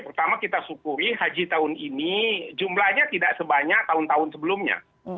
pertama kita syukuri haji tahun ini jumlahnya tidak sebanyak tahun tahun sebelumnya